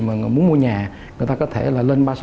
muốn mua nhà người ta có thể lên ba trăm sáu mươi